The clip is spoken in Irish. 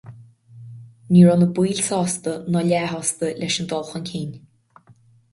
Ní raibh na baill sásta ná leathshásta leis an dul chun cinn.